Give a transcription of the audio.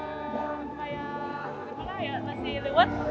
jadi kayak nasi liwet